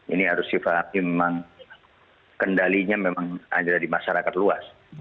ini harus diperhatikan memang kendalinya memang hanya dari masyarakat luas